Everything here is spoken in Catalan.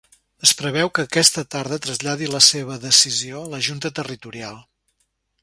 Es preveu que aquesta tarda traslladi la seva decisió a la junta territorial.